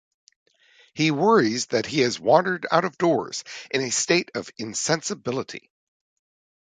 He worries that he has wandered out of doors in a state of insensibility.